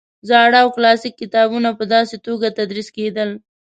زاړه او کلاسیک کتابونه په داسې توګه تدریس کېدل.